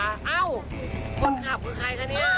เอ้าคนขับคือใครคะเนี่ย